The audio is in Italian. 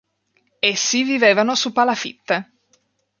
Essi vivevano su palafitte.